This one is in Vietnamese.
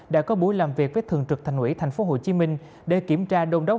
đã có buổi làm việc với thường trực thành ủy tp hcm để kiểm tra đôn đốc